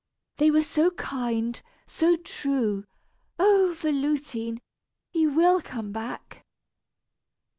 They were so kind, so true! Oh! Véloutine! he will come back!"